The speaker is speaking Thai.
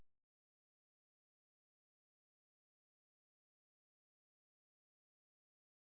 โปรดติดตามตอนต่อไป